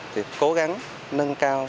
thì cố gắng nâng cao